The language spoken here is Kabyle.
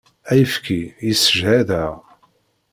Ayefki yessejhad-aɣ.